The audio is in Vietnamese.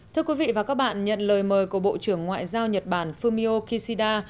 thưa quý vị và các bạn nhận lời mời của bộ trưởng ngoại giao nhật bản fumio kishida